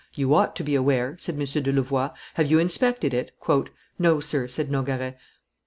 "You ought to be aware," said M. de Louvois: "have you inspected it?" "No, sir," said Nogaret.